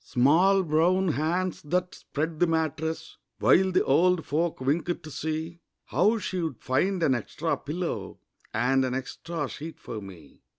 Small brown hands that spread the mattress While the old folk winked to see How she'd find an extra pillow And an extra sheet for me.